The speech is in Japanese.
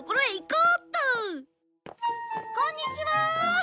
こんにちは。